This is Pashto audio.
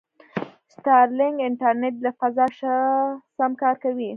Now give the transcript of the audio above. سټارلینک انټرنېټ له فضا شه سم کار کوي.